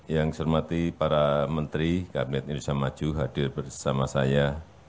yang saya hormati para menteri kabinet indonesia maju hadir bersama saya